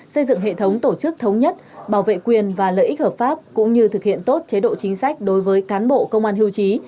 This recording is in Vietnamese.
xây dựng hệ thống tổ chức thống nhất bảo vệ quyền và lợi ích hợp pháp cũng như thực hiện tốt chế độ chính sách đối với cán bộ công an hưu trí